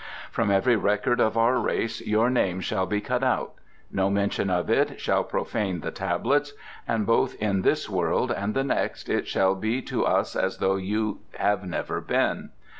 From every record of our race your name shall be cut out; no mention of it shall profane the Tablets, and both in this world and the next it shall be to us as though you have never been.